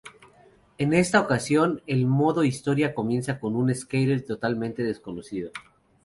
En esta ocasión, el modo historia comienza con un skater totalmente desconocido.